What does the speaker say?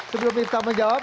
sebelum kita menjawab